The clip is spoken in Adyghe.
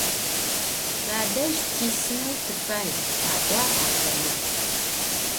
Şüadej tisıneu tıfay, – a'uağ axeme.